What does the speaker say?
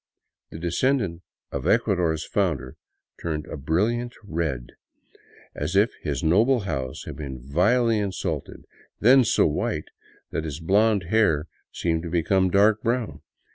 The descendant of Ecuador's founder turned a brilliant red, as if his noble house had been vilely insulted, then so white that his blond hair seemed to become dark brown.